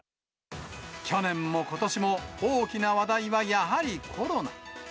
去年もことしも、大きな話題はやはりコロナ。